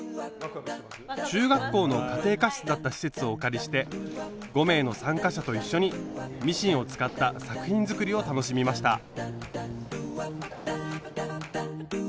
中学校の家庭科室だった施設をお借りして５名の参加者と一緒にミシンを使った作品づくりを楽しみました。